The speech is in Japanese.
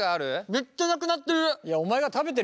めっちゃなくなってる！